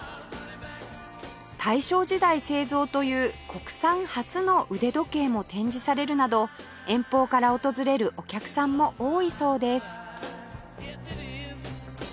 大正時代製造という国産初の腕時計も展示されるなど遠方から訪れるお客さんも多いそうです